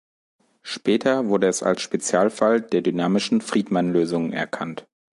Später wurde es als Spezialfall der dynamischen Friedmann-Lösungen erkannt.